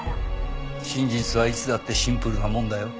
真実はいつだってシンプルなもんだよ。